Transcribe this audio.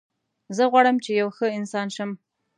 زه غواړم چې یو ښه انسان شم